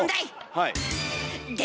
はい。